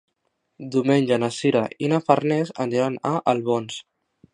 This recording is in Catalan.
Diumenge na Sira i na Farners aniran a Albons.